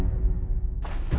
sekarang aku pikirkan cuma bella